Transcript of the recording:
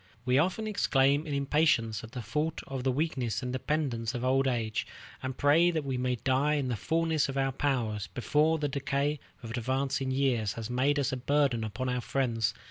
We often exclaim in impatience at the thought of the weakness and dependence of old age, and pray that we may die in the fullness of our powers, before the decay of advancing years has made us a burden upon our friends.